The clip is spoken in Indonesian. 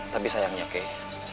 tapi sayangnya kei